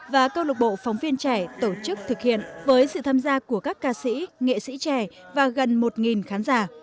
và câu lục bộ phóng viên trẻ tổ chức thực hiện với sự tham gia của các ca sĩ nghệ sĩ trẻ và gần một khán giả